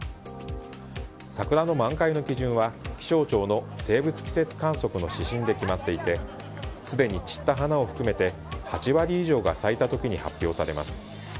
桜の満開の基準は気象庁の生物季節観測の指針で決まっていてすでに散った花を含めて８割以上が咲いた時に発表されます。